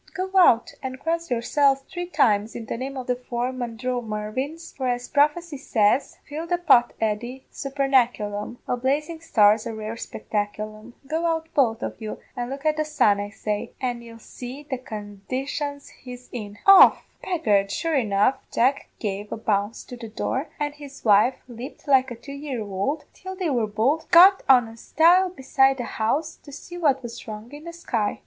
Go out and cross yourselves three times in the name o' the four Mandromarvins, for as prophecy says: Fill the pot, Eddy, supernaculum a blazing star's a rare spectaculum. Go out both of you and look at the sun, I say, an' ye'll see the condition he's in off!' "Begad, sure enough, Jack gave a bounce to the door, and his wife leaped like a two year ould, till they were both got on a stile beside the house to see what was wrong in the sky.